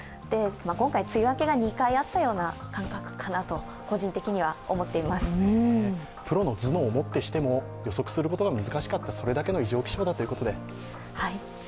今回、梅雨明けが２回あったような感覚かなと、プロの頭脳を持ってしても予測することが難しかった、それだけの異常気象だということで。